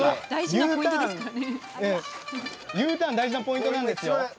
Ｕターン大事なポイントなんですよ。